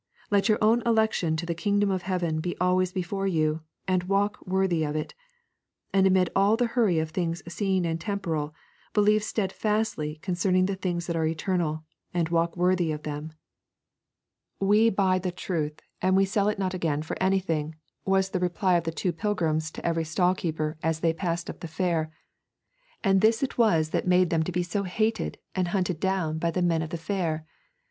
Let your own election to the kingdom of heaven be always before you, and walk worthy of it; and amid all the hurry of things seen and temporal, believe steadfastly concerning the things that are eternal, and walk worthy of them. 'We buy the truth and we sell it not again for anything,' was the reply of the two pilgrims to every stall keeper as they passed up the fair, and this it was that made them to be so hated and hunted down by the men of the fair.